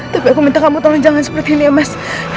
tapi aku minta kamu tolong jangan seperti ini ya mas